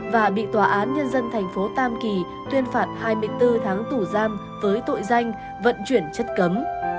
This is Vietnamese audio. và bị tòa án nhân dân thành phố tam kỳ tuyên phạt hai mươi bốn tháng tù giam với tội danh vận chuyển chất cấm